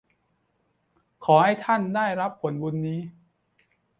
ขอให้ท่านได้รับผลบุญนี้